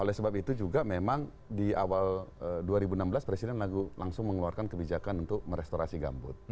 oleh sebab itu juga memang di awal dua ribu enam belas presiden langsung mengeluarkan kebijakan untuk merestorasi gambut